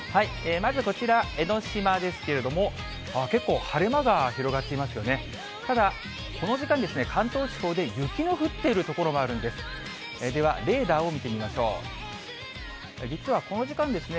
まずこちら、江の島ですけれども、結構、晴れ間が広がっていますよね。